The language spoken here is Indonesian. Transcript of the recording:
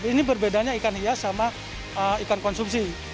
ini berbedanya ikan hias sama ikan konsumsi